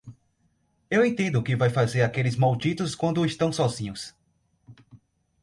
Eu entendo o que vai fazer aqueles malditos quando estão sozinhos.